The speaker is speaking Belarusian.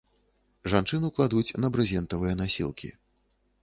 Жанчыну кладуць на брызентавыя насілкі.